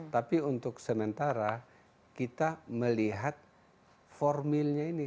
tapi untuk sementara kita melihat formilnya ini